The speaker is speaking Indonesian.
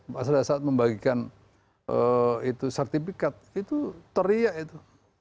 pada saat membagikan sertifikat itu teriak itu